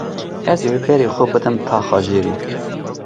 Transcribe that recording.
Ez ê berê xwe bidim taxa jêrê.